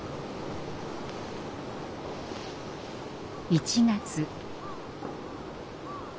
１月。